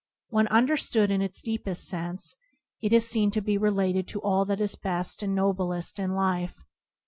When understood in its deepest sense it is seen to be related to all that is best and noblest in life.